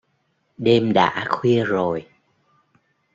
Đêm đã khuya rồi